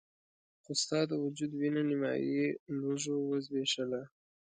خو ستا د وجود وينه نيمایي لوږو وزبېښله.